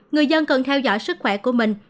người dân cần theo dõi sức khỏe của mình